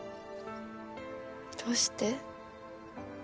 どうして？